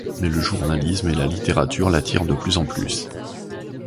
Mais le journalisme et la littérature l’attirent de plus en plus.